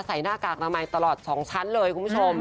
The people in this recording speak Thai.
หน้ากากอนามัยตลอด๒ชั้นเลยคุณผู้ชม